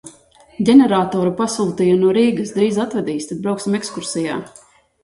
Ģeneratoru pasūtīja no Rīgas, drīz atvedīs, tad brauksim ekskursijā.